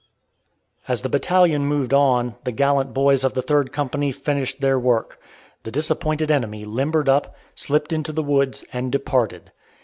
As the battalion moved on, the gallant boys of the Third Company finished their work. The disappointed enemy limbered up, slipped into the woods and departed.